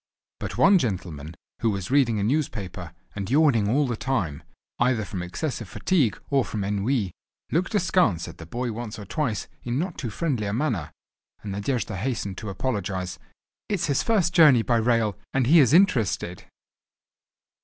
But one gentleman who was reading a newspaper, and yawning all the time, either from excessive fatigue or from ennui, looked askance at the boy once or twice in not too friendly a manner, and Nadejda hastened to apologise: "It is his first journey by rail—and he is interested."